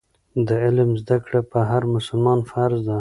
د علم زده کړه په هر مسلمان فرض ده.